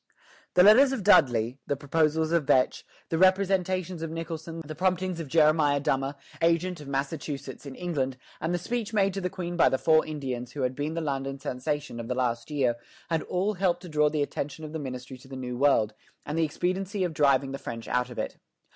The letters of Dudley, the proposals of Vetch, the representations of Nicholson, the promptings of Jeremiah Dummer, agent of Massachusetts in England, and the speech made to the Queen by the four Indians who had been the London sensation of the last year, had all helped to draw the attention of the ministry to the New World, and the expediency of driving the French out of it.